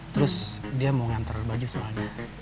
terus dia mau ngantar baju soalnya